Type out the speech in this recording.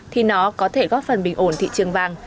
thì nó có thể góp phần bình ổn thị trường vàng